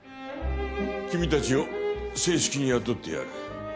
君たちを正式に雇ってやる。